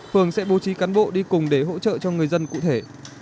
phường sẽ bố trí cán bộ đi cùng để hỗ trợ cho người dân cụ thể